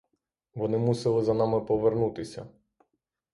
Вони мусили за нами повернутися.